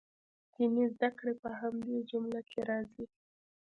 دیني زده کړې په همدې جمله کې راځي.